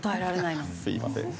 すみません。